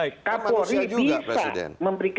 kan bisa juga presiden